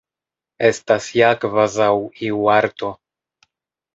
Estas ja kvazaŭ iu arto.